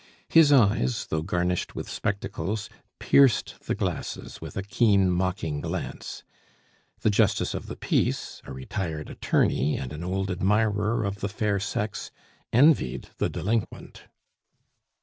His eyes, though garnished with spectacles, pierced the glasses with a keen mocking glance. The Justice of the Peace, a retired attorney, and an old admirer of the fair sex, envied the delinquent.